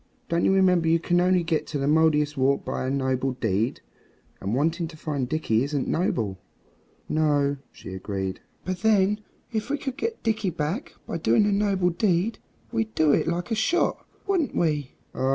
Don't you remember you can only get at the Mouldiestwarp by a noble deed? And wanting to find Dickie isn't noble." "No," she agreed; "but then if we could get Dickie back by doing a noble deed we'd do it like a shot, wouldn't we?" "Oh!